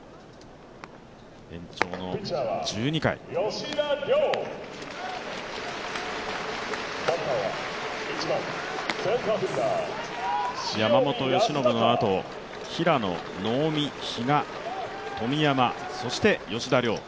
延長１２回、山本由伸のあと、平野、能見、比嘉、富山、そして吉田凌。